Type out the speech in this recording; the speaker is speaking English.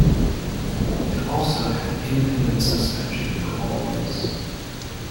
It also had independent suspension for all for wheels.